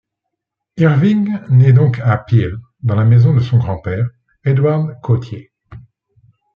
Irving naît donc à Peel dans la maison de son grand-père, Edward Cottier.